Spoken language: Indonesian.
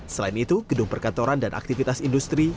selain itu gedung perkantoran dan aktivitas industri